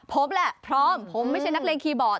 ผมแหละพร้อมผมไม่ใช่นักเลงคีย์บอร์ด